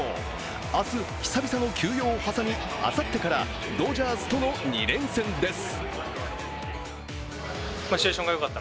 明日、久々の休養をはさみあさってからドジャースとの２連戦です。